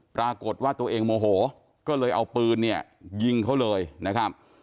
ปรากฏว่าตัวเองโมโหก็เลยเอาปืนเนี่ยยิงเขาเลยนะครับ